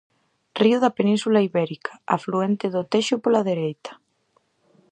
Río da Península Ibérica, afluente do Texo pola dereita.